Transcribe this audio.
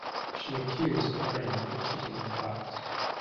She accuse her friend for cheating in class.